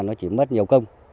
nó chỉ mất nhiều công